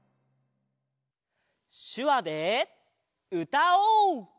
しゅわでうたおう！